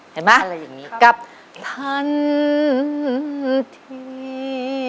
เห็นมั้ยกับทันที